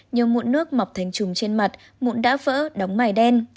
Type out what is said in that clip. nhiều mụn nước mọc thành trùng trên mặt mụn đã vỡ đóng mài đen